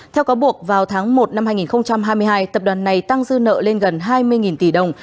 theo cáo buộc vào tháng một năm hai nghìn hai mươi hai tập đoàn này tăng dư nợ lên gần hai mươi tỷ đồng